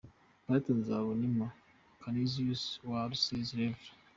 Pastor Nzabonimpa Canisius w ‘i Rusizi, Rev.